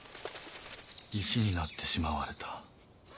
石になってしまわれた。